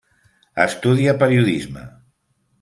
Estudia periodisme.